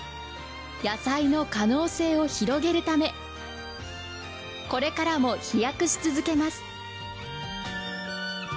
野菜の可能性を広げるためこれからも飛躍し続けます。